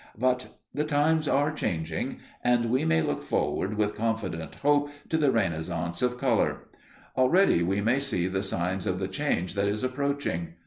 But the times are changing, and we may look forward with confident hope to the renascence of colour. Already we may see the signs of the change that is approaching.